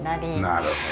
なるほどね。